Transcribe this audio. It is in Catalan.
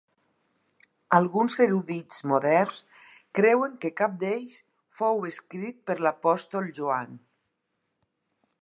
Alguns erudits moderns creuen que cap d'ells fou escrit per l'apòstol Joan.